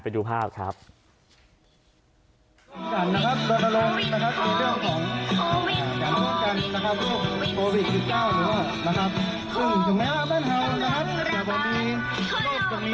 หรือว่าเพื่อนที่มาซื้อของเขาก็แสดงในตลาดชาวนะครับ